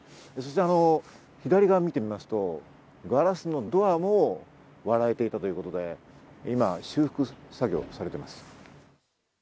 そして左側を見てみますと、ガラスのドアも割られていたということで今、修復作業がされています。